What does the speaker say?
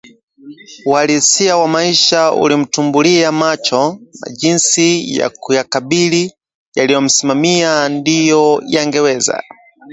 Uhalisia wa maisha ulimtumbulia macho na jinsi ya kuyakabili yaliyomsimamia ndiyo yangeweza